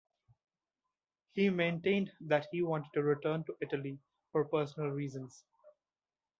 He maintained that he wanted to return to Italy for personal reasons.